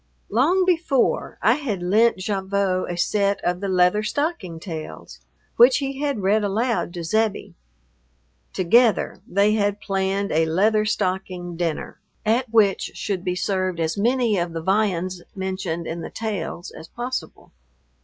Long before I had lent Gavotte a set of the Leather Stocking Tales, which he had read aloud to Zebbie. Together they had planned a Leather Stocking dinner, at which should be served as many of the viands mentioned in the Tales as possible.